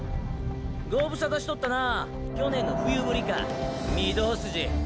ご無沙汰しとったな去年の冬ぶりか御堂筋。